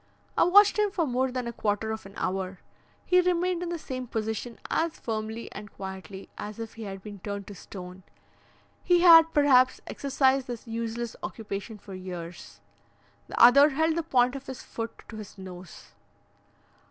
I watched him for more than a quarter of an hour; he remained in the same position as firmly and quietly as if he had been turned to stone. He had, perhaps, exercised this useless occupation for years. The other held the point of his foot to his nose.